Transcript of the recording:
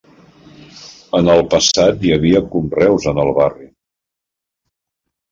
En el passat hi havia conreus, en el barri.